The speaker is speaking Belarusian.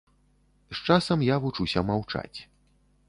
З часам я вучуся маўчаць.